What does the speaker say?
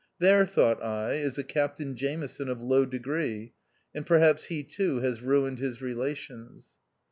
There, thought I, is a Captain Jameson of low degree, and perhaps he too has ruined his relations.